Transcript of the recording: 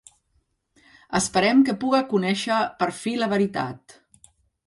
Esperem que puga conèixer per fi la veritat.